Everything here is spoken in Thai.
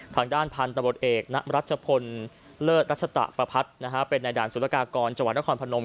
ข้างด้านพันธุ์ตะบดเอกณรัชพลเลิศรัชตะปะพัดเป็นในด่านศูนยากากรจังหวัดนครพนม